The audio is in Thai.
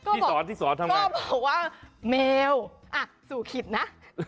ที่สอนที่สอนทำไงก็บอกว่าแมวอ่ะสุขิตนะ